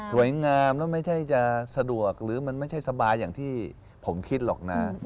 งามแล้วไม่ใช่จะสะดวกหรือมันไม่ใช่สบายอย่างที่ผมคิดหรอกนะ